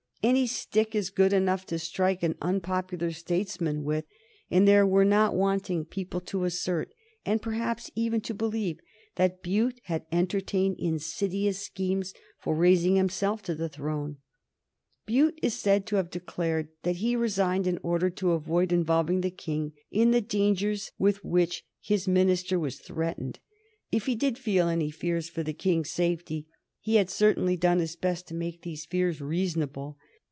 Any stick is good enough to strike an unpopular statesman with, and there were not wanting people to assert, and perhaps even to believe, that Bute had entertained insidious schemes for raising himself to the throne. Bute is said to have declared that he resigned in order to avoid involving the King in the dangers with which his minister was threatened. If he did feel any fears for the King's safety he had certainly done his best to make those fears reasonable.